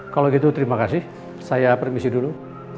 kalau gitu terima kasih saya permisi dulu